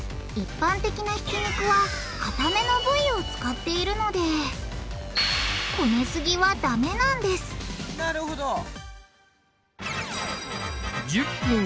一般的なひき肉はかための部位を使っているのでこねすぎはダメなんですなるほど。